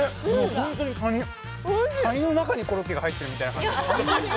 ホントにカニ、カニの中にコロッケが入っているみたいな感じですよ。